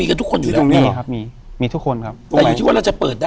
อยู่ที่แม่ศรีวิรัยิลครับ